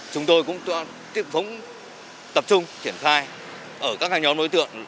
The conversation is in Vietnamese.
chúng tôi cũng tiếp tục tập trung kiển khai ở các nhóm đối tượng